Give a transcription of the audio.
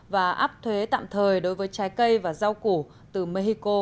và áp thuế tạm thời đối với trang trí